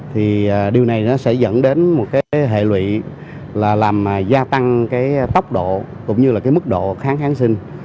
thì điều này nó sẽ dẫn đến một hệ lụy làm gia tăng tốc độ cũng như mức độ kháng sinh